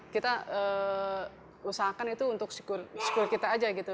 kita usahakan itu untuk school kita aja gitu